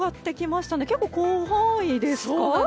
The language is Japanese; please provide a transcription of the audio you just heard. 結構、広範囲ですね。